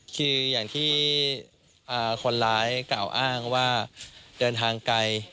คืออย่างที่คนร้ายกล่าวอ้างว่าเดินทางไกล